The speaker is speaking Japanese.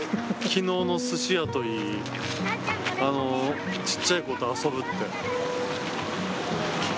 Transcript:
きのうのすし屋といい、ちっちゃい子と遊ぶって。